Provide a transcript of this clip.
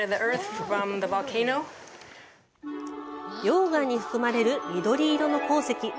溶岩に含まれる緑色の鉱石。